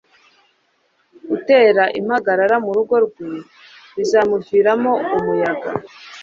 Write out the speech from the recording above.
utera impagarara mu rugo rwe, bizamuviramo umuyaga